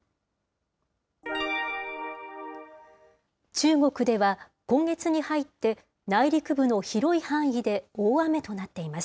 中国では、今月に入って内陸部の広い範囲で大雨となっています。